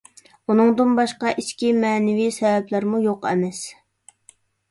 ئۇندىن باشقا، ئىچكى مەنىۋى سەۋەبلەرمۇ يوق ئەمەس.